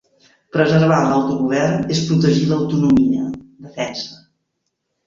Preservar l’autogovern és protegir l’autonomia, defensa.